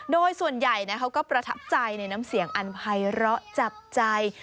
โดยส่วนใหญ่เขาก็ประทับใจในน้ำเสียงอันภัยร้อจับใจ